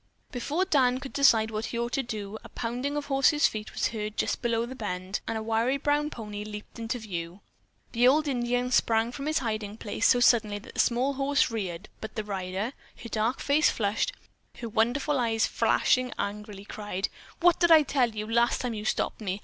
Before Dan could decide what he ought to do, a pounding of horse's feet was heard just below the bend, and a wiry brown pony leaped into view. The old Indian sprang from his hiding place so suddenly that the small horse reared, but the rider, her dark face flushed, her wonderful eyes flashing angrily, cried: "What did I tell you last time you stopped me?